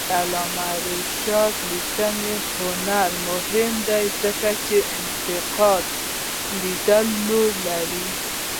د علامه رشاد لیکنی هنر مهم دی ځکه چې انتقادي لیدلوری لري.